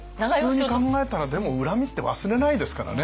普通に考えたらでも恨みって忘れないですからね。